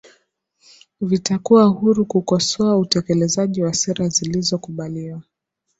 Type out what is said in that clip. vitakuwa huru kukosoa utekelezaji wa sera zilizokubaliwa